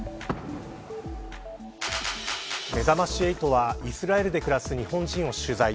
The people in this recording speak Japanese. めざまし８はイスラエルで暮らす日本人を取材。